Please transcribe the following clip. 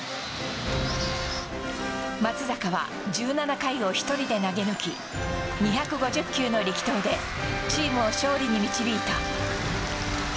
松坂は１７回を１人で投げ抜き２５０球の力投でチームを勝利に導いた。